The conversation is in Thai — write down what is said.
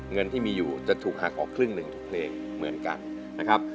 เงินที่มีอยู่จะถูกหักออกครึ่งหนึ่งทุกเพลงเหมือนกันนะครับ